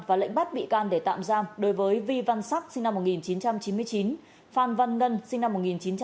và lệnh bắt bị can để tạm giam đối với vi văn sắc sinh năm một nghìn chín trăm chín mươi chín phan văn ngân sinh năm một nghìn chín trăm chín mươi